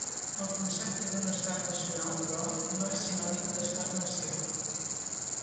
El concepte d'un estat nacional, però, no és sinònim d'estat nació.